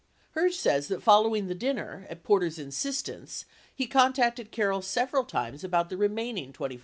Herge says that following the dinner, at Porter's insistence, he contacted Carroll several times about the remaining $25,000.